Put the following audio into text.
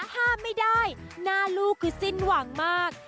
ห้ามไม่ได้หน้าลูกคือสิ้นหวังมาก